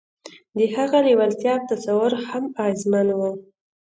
د هغه لېوالتیا او تصور هم اغېزمن وو